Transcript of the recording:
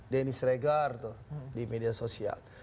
denis regar tuh di media sosial